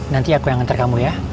nanti aku yang ngantar kamu ya